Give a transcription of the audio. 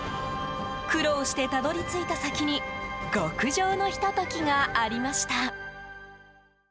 苦労してたどり着いた先に極上のひと時がありました。